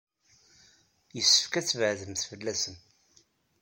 Yessefk ad tbeɛɛdemt fell-asen.